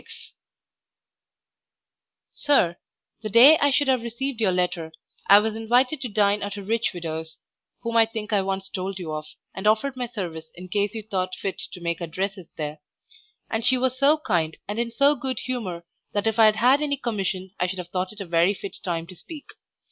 _ SIR, The day I should have received your letter I was invited to dine at a rich widow's (whom I think I once told you of, and offered my service in case you thought fit to make addresses there); and she was so kind, and in so good humour, that if I had had any commission I should have thought it a very fit time to speak.